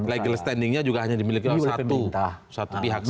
legal standingnya juga hanya dimiliki oleh satu pihak saja